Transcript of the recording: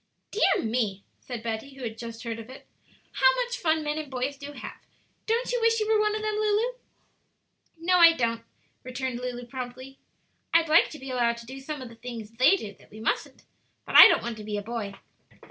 "Dear me!" said Betty, who had just heard of it, "how much fun men and boys do have! Don't you wish you were one of them, Lulu?" "No, I don't," returned Lulu, promptly. "I'd like to be allowed to do some of the things they do that we mustn't, but I don't want to be a boy."